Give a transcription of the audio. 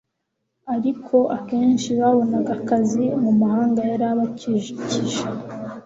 ariko akenshi babonaga akazi mu mahanga yari abakikije